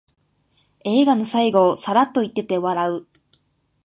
映画の最後をサラッと言ってて笑う